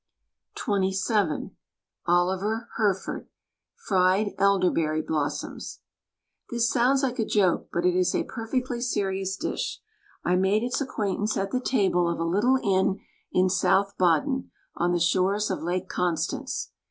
THE STAG COOK BOOK XXVII Oliver Herford FRIED ELDERBERRY BLOSSOMS This sounds like a joke but it is a perfectly serious dish — I made its acquaintance at the table of a little inni in South Baden, on the shores of Lake Constance.